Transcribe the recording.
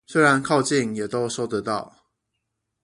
雖然靠近也都收得到